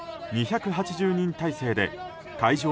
２８０人態勢で会場